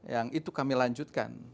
yang itu kami lanjutkan